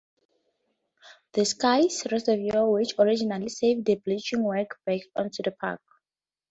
The Sykes' reservoir, which originally served the bleaching works, backs onto the Park.